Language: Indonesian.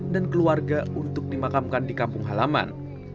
dan keluarga untuk dimakamkan di kampung halaman